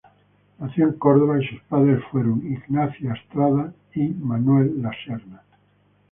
Nació en Córdoba y sus padres fueron Manuel La Serna e Ignacia Astrada.